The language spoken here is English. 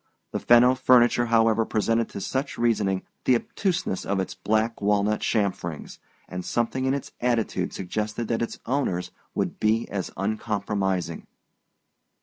The Fenno furniture, however, presented to such reasoning the obtuseness of its black walnut chamferings; and something in its attitude suggested that its owners would be as uncompromising.